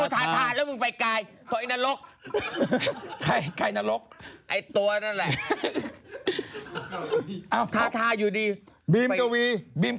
ใช่วันหน้าร่าใช่วันหน้าร็ี